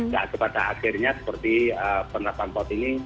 dan sepatah akhirnya seperti penerapan plat ini